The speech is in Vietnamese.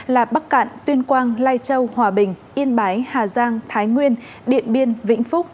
là bắc cạn tuyên quang lai châu hòa bình yên bái hà giang thái nguyên điện biên vĩnh phúc